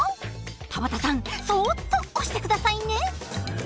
田畑さんそっと押して下さいね。